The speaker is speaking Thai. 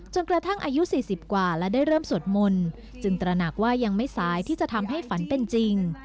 กระทั่งอายุ๔๐กว่าและได้เริ่มสวดมนต์จึงตระหนักว่ายังไม่สายที่จะทำให้ฝันเป็นจริง